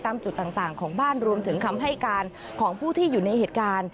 ตามจุดต่างของบ้านรวมถึงคำให้การของผู้ที่อยู่ในเหตุการณ์